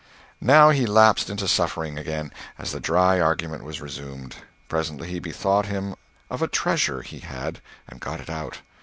Now he lapsed into suffering again, as the dry argument was resumed. Presently he bethought him of a treasure he had and got it out.